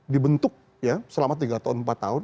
dibentuk ya selama tiga tahun empat tahun